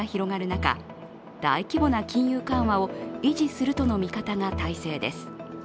中大規模な金融緩和を維持するとの見方が大勢です。